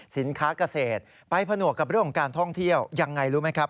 สินค้าเกษตรไปผนวกกับเรื่องของการท่องเที่ยวยังไงรู้ไหมครับ